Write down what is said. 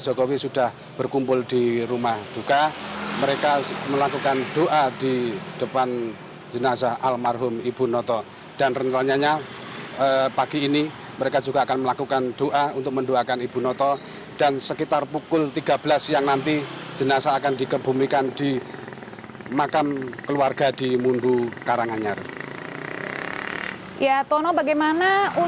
ya tono bagaimana untuk protokol kesehatan